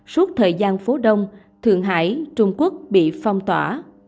suốt thời gian phố đông thượng hải trung quốc bị phong tỏa